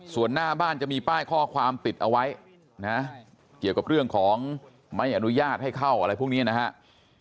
ส่วนหน้าบ้านจะมีป้ายข้อความติดเอาไว้นะเกี่ยวกับเรื่องของไม่อนุญาตให้เข้าอะไรพวกนี้นะครับ